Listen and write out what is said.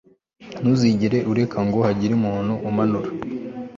ntuzigere ureka ngo hagire umuntu umanura